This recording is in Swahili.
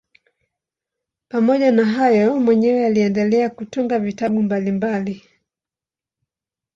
Pamoja na hayo mwenyewe aliendelea kutunga vitabu mbalimbali.